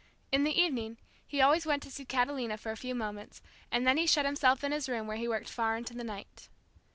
In the evening, he always went to see Catalina for a few moments, and then he shut himself in his room where he worked far into the night.